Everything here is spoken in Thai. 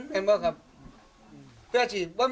ยิ่งเกิดเขาสวมร่อย